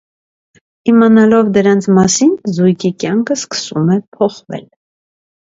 Իմանալով դրանց մասին՝ զույգի կյանքը սկսում է փոխվել։